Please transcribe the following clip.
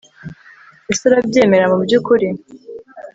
ese urabyemera mubyukuri